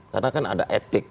karena kan ada etik